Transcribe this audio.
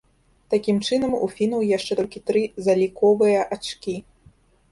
Такім чынам, у фінаў яшчэ толькі тры заліковыя ачкі.